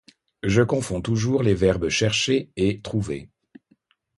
Je confonds toujours les verbes « chercher » et « trouver ».